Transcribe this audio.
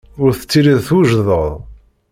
Ur tettiliḍ twejdeḍ.